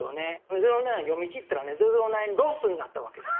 「００９」を読み切ったらね「００９」ロスになったわけです。